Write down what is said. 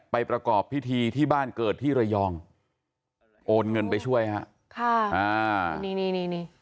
ประกอบพิธีที่บ้านเกิดที่ระยองโอนเงินไปช่วยฮะค่ะอ่านี่นี่นี่